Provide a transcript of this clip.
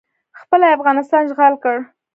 خپله یې افغانستان اشغال کړ